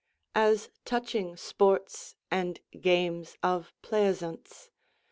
As touching sportes and games of pleasaunce.